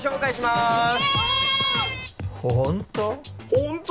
本当？